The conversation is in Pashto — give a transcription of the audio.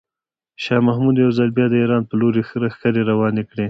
شاه محمود یو ځل بیا د ایران په لوري لښکرې روانې کړې.